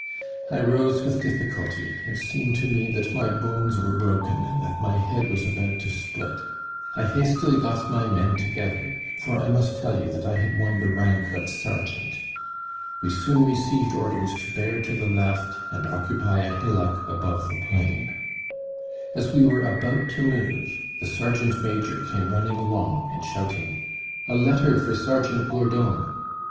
I rose with difficulty; it seemed to me that my bones were broken, and that my head was about to split. I hastily got my men together; for I must tell you that I had won the rank of sergeant. We soon received orders to bear to the left and occupy a hillock above the plain. As we were about to move, the sergeant major came running along and shouting: "A letter for Sergeant Gourdon!"